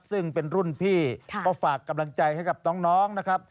ซึ่งเป็นรุ่นพี่ก็ฝากกำลังใจให้กับน้องนะครับ